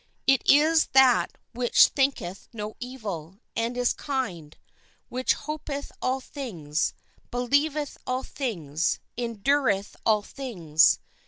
It is that which thinketh no evil, and is kind, which hopeth all things, believeth all things, endureth all things.